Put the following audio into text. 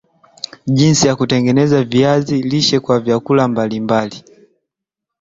jinsi ya kutengeneza viazi lishe kwa vyakula mbali mbali